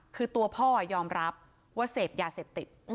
คือตัวพ่อยอมรับว่าเสพยาเสพติด